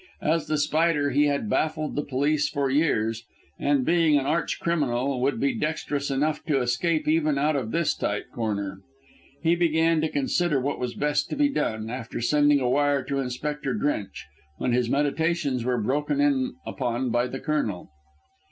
As The Spider he had baffled the police for years, and, being an arch criminal, would be dexterous enough to escape even out of this tight corner. He began to consider what was best to be done after sending a wire to Inspector Drench, when his meditations were broken in upon by the Colonel.